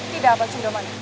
tidak pak cendomana